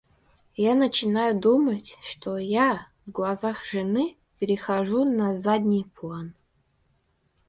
Я начинаю думать, что я, в глазах жены, перехожу на задний план.